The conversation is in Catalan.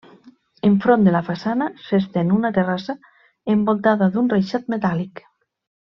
Enfront de la façana s'estén una terrassa envoltada d'un reixat metàl·lic.